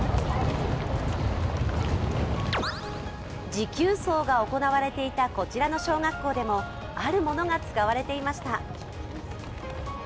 持久走が行われていたこちらの小学校でもあるものが使われていました。